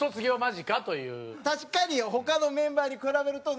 確かに他のメンバーに比べるとね。